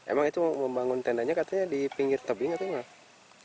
emang itu membangun tendanya katanya di pinggir tebing atau enggak